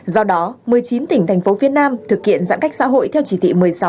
do đó một mươi chín tỉnh thành phố phía nam thực hiện giãn cách xã hội theo chỉ thị một mươi sáu